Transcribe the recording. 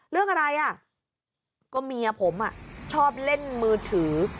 เรื่องอะไรอ่ะก็เมียผมชอบเล่นมือถือ